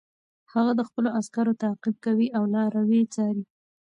هغه د خپلو عسکرو تعقیب کوي او لاروي څاري.